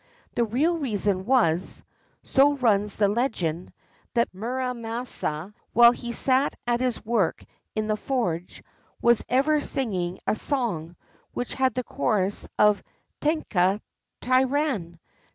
The real reason was, so runs the legend, that Muramasa, while he sat at his work in the forge, was ever singing a song, which had the chorus of "tenka tairan!